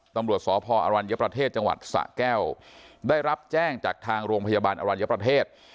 ตำรวจสพอรัญญประเทศจังหวัดสะแก้วได้รับแจ้งจากทางโรงพยาบาลอรัญญประเทศ